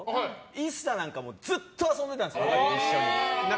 ＩＳＳＡなんかずっと遊んでたんですよ、一緒に。